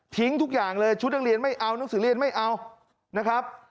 ทิ้งทุกอย่างเลยชุดนักเรียนไม่เอานักศึกเรียนไม่เอา